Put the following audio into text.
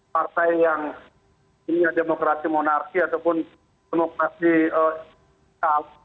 partai yang punya demokrasi monarki ataupun demokrasi lokal